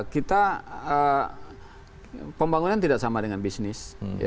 kita pembangunan tidak sama dengan bisnis